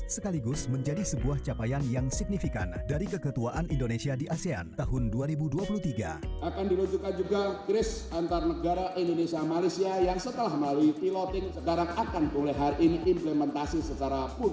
setelah dengan thailand indonesia thailand hari ini indonesia dengan malaysia